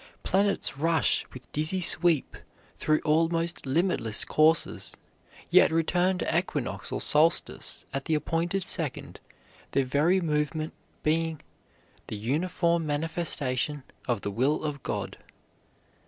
Planets rush with dizzy sweep through almost limitless courses, yet return to equinox or solstice at the appointed second, their very movement being "the uniform manifestation of the will of God."